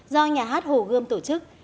do nhà hát hồ gươm tổ chức